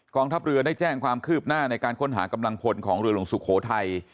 ทัพเรือได้แจ้งความคืบหน้าในการค้นหากำลังพลของเรือหลวงสุโขทัย